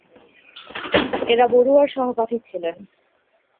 এরা বরুয়ার সহপাঠী ছিলেন।